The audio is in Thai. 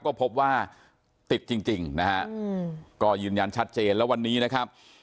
ก็พบว่าติดจริงนะฮะก็ยืนยันชัดเจนแล้ววันนี้นะครับ